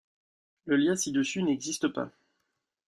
Le lien ci-dessus n'existe pas.